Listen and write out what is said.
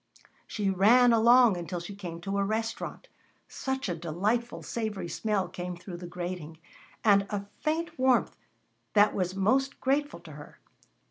She ran along until she came to a restaurant. Such a delightful, savory smell came through the grating, and a faint warmth that was most grateful to her.